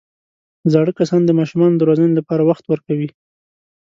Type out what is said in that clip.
زاړه کسان د ماشومانو د روزنې لپاره وخت ورکوي